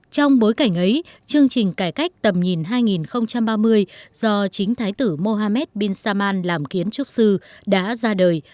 trong bối cảnh ấy chương trình cải cách tầm nhìn hai nghìn ba mươi do chính thái tử mohamed bin saman làm kiến trúc sư đã ra đời